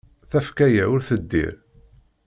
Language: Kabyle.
Tafekka-a ur teddir.